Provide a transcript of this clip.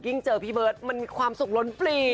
เจอพี่เบิร์ตมันความสุขล้นปลี